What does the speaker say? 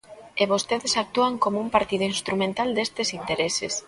E vostedes actúan como un partido instrumental destes intereses.